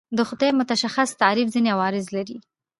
د خدای متشخص تعریف ځینې عوارض هم لري.